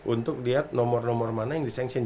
untuk lihat nomor nomor mana yang dissentiong